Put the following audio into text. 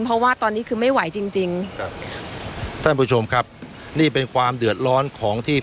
เพราะว่าตอนนี้คือไม่ไหวจริงจริงครับท่านผู้ชมครับนี่เป็นความเดือดร้อนของที่